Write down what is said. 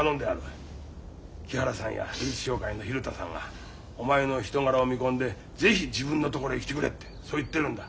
木原さんやリーチ商会の蛭田さんがお前の人柄を見込んで是非自分のところへ来てくれってそう言ってるんだ。